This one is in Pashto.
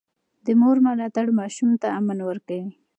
د مور ملاتړ ماشوم ته امن ورکوي.